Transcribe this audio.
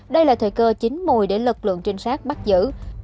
đây là thời cơ chín mùi để lực lượng trinh sát bắt giữ